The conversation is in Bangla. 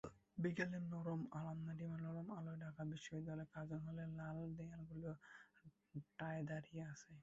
বিকেলের নরম আলোয় ঢাকা বিশ্ববিদ্যালয়ের কার্জন হলের লাল দেয়ালগুলো ঠায় দাঁড়িয়ে আছে।